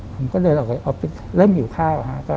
ผมก็เลยเข้าออฟฟิสแล้วมี้วข้าว